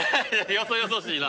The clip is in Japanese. よそよそしいな。